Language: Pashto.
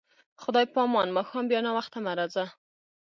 خدای په امان، ماښام بیا ناوخته مه راځه.